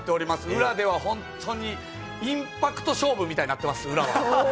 裏では本当にインパクト勝負みたいになっています。